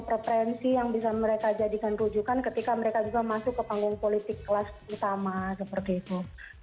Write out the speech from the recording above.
preferensi yang bisa mereka jadikan rujukan ketika mereka juga masuk ke panggung politik kelas utama seperti itu